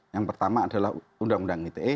yang pertama adalah undang undang ite